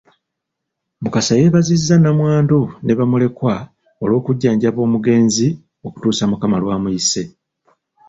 Mukasa yeebazizza nnamwandu ne bamulekwa olw'okujjanjaba omugenzi okutuusa Mukama lw’amuyise.